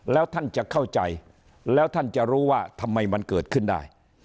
แล้วท่านจะเข้าใจแล้วท่านจะรู้ว่าทำไมมันเกิดขึ้นได้